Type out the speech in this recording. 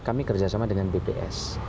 kami kerjasama dengan bps